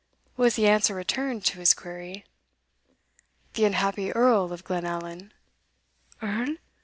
was the answer returned to his query. "The unhappy Earl of Glenallan." "Earl!